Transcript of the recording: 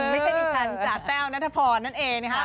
ไม่ใช่อีกชั้นจากแต้วนัทพรนั่นเอง